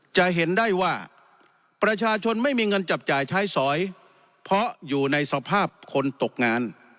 จะเห็นได้ว่าประชาชนไม่มีเงินจับจ่ายใช้สอยเพราะอยู่ในสภาพคนตกงาน